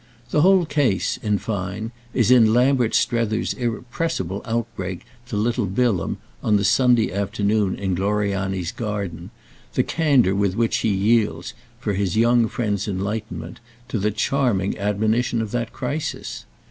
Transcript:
The whole case, in fine, is in Lambert Strether's irrepressible outbreak to little Bilham on the Sunday afternoon in Gloriani's garden, the candour with which he yields, for his young friend's enlightenment, to the charming admonition of that crisis.